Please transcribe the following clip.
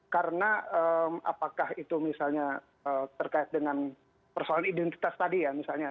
karena apakah itu misalnya terkait dengan persoalan identitas tadi ya misalnya